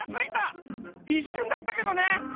いっしゅんだったけどね。